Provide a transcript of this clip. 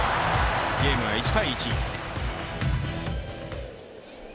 ゲームは１−１。